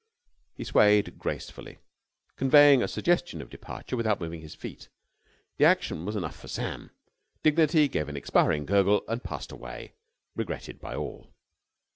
He swayed gracefully, conveying a suggestion of departure without moving his feet. The action was enough for Sam. Dignity gave an expiring gurgle, and passed away, regretted by all.